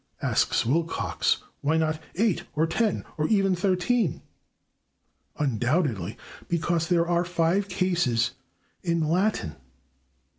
asks Wilcox. "Why not eight, or ten, or even thirteen? Undoubtedly because there are five cases in Latin."